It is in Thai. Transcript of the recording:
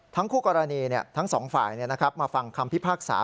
ทั้งคู่กรณีทั้งสองฝ่ายมาฟังคำพิพากษา